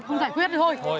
không giải quyết nữa thôi